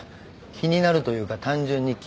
気になるというか単純に聞いています。